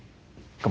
どうも。